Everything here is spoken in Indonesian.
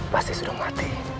pasti sudah mati